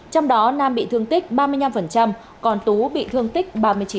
trong đó nam bị thương tích ba mươi năm còn tú bị thương tích ba mươi chín